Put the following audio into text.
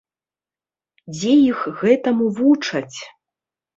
Дзе іх гэтаму вучаць?